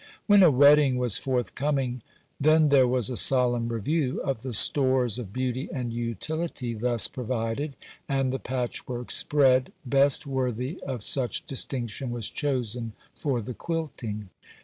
When a wedding was forthcoming, then there was a solemn review of the stores of beauty and utility thus provided, and the patchwork spread best worthy of such distinction was chosen for the quilting.